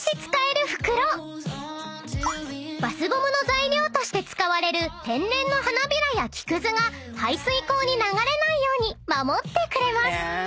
［バスボムの材料として使われる天然の花びらや木くずが排水口に流れないように守ってくれます］